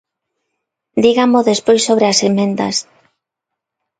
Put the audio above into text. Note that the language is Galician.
Dígamo despois sobre as emendas.